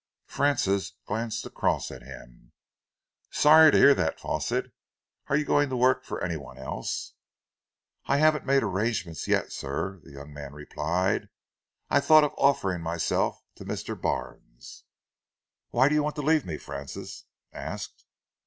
Francis glanced across at him. "Sorry to hear that, Fawsitt. Are you going to work for any one else?" "I haven't made arrangements yet, sir," the young man replied. "I thought of offering myself to Mr. Barnes." "Why do you want to leave me?" Francis asked.